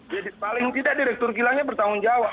paling tidak direktur kilangnya bertanggung jawab